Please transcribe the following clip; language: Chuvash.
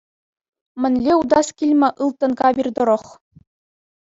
Мӗнле утас килмӗ ылтӑн кавир тӑрӑх!